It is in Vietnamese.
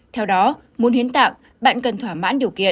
theo đó muốn hiến tạng bạn cần thỏa mãn điều kiện